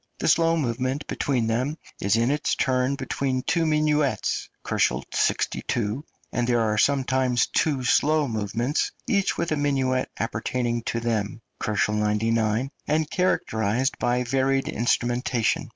The slow movement between them is in its turn between two minuets (62 K.), and there are sometimes two slow movements, each with a minuet appertaining to them (99 K.), and characterised by varied instrumentation.